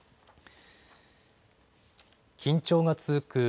緊張が続く